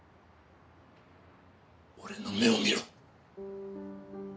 俺の目を見ろ。